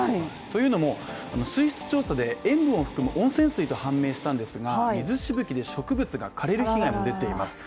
というのも、水質調査で塩分を含む温泉水と判明したんですが水しぶきで植物が枯れる被害も出ています。